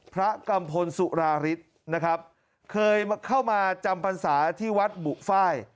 พระกำพลสุราริสต์นะครับเคยเข้ามาจำปัญหาที่วัดบุฟ่าย